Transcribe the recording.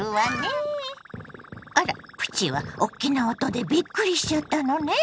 あらプチはおっきな音でびっくりしちゃったのね。